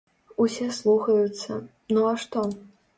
Усе слухаюцца, ну а што.